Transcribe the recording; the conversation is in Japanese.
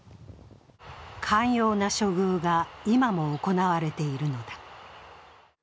寛容な処遇が今も行われているのだ。